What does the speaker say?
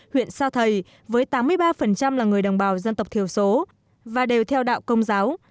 huyện sa thầy với tám mươi ba là người đồng bào dân tộc thiểu số và đều theo đạo công giáo